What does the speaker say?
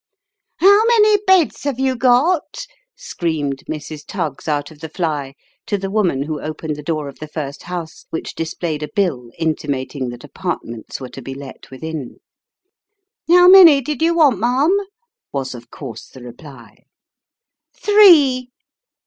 " How many beds have you got ?" screamed Mrs. Tuggs out of the fly, to the woman who opened the door of the first house which dis played a bill intimating that apartments were to be let within. " How many did yon want, ma'am ?" was, of course, the reply. " Three."